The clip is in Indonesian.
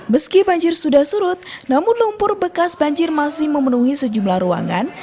meski banjir sudah surut namun lumpur bekas banjir masih memenuhi sejumlah ruangan